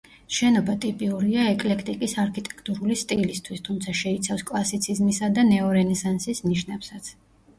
შენობა ტიპიურია ეკლექტიკის არქიტექტურული სტილისთვის, თუმცა შეიცავს კლასიციზმისა და ნეორენესანსის ნიშნებსაც.